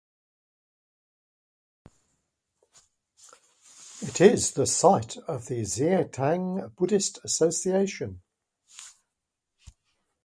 It is the site of Xiangtan Buddhist Association.